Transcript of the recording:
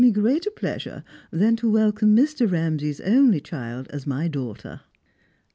me greater pleasure than to welcome Mr. Ramsay's only cliilsi as my daugliter."